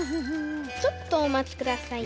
ちょっとおまちくださいね。